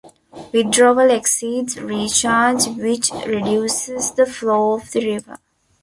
Withdrawal exceeds recharge which reduces the flow of the river.